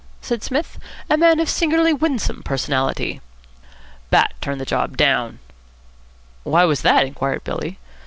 said Psmith. "A man of singularly winsome personality." "Bat turned the job down." "Why was that?" inquired Billy.